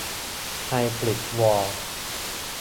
ไฮบริดวอร์